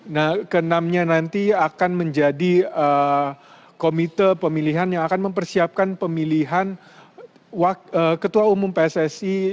nah ke enam nya nanti akan menjadi komite pemilihan yang akan mempersiapkan pemilihan ketua umum pssi